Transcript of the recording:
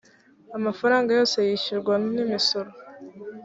amafaranga yose yishyurwa n imisoro